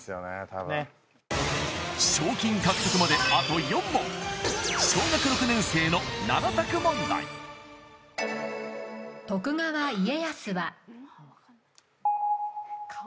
多分賞金獲得まであと４問小学６年生の７択問題顔？